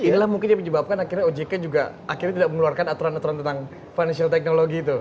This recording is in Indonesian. inilah mungkin yang menyebabkan akhirnya ojk juga akhirnya tidak mengeluarkan aturan aturan tentang financial technology itu